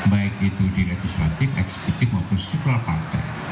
baik itu di legislatif ekspektif maupun suprapartai